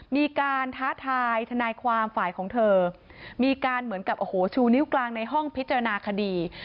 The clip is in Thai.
มีการท้าทายทนายความฝ่ายของเธอมีการเหมือนกับโอ้โหชูนิ้วกลางในห้องพิจารณาคดี